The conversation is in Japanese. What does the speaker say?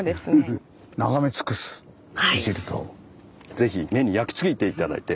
ぜひ目に焼き付けて頂いて。